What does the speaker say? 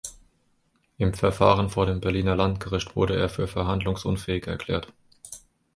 Im Verfahren vor dem Berliner Landgericht wurde er für verhandlungsunfähig erklärt.